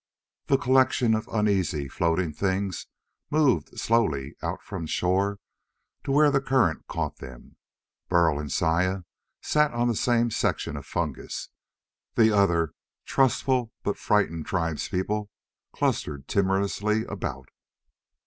The collection of uneasy, floating things moved slowly out from shore to where the current caught them. Burl and Saya sat on the same section of fungus, the other trustful but frightened tribes people clustered timorously about.